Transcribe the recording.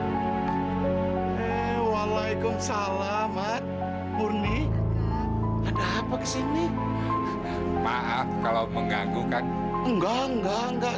hai hei walaikum salam maturni ada apa kesini maaf kalau mengganggu kan enggak enggak enggak